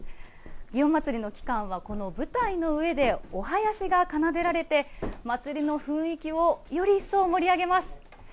祇園祭の期間は、この舞台の上でお囃子が奏でられて、祭りの雰囲気をより一層盛り上げます。